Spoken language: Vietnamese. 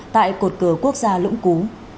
tại cột cờ quốc gia lũng cú